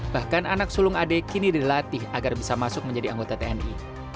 bahkan anak sulung ade kini dilatih agar bisa masuk menjadi anggota tni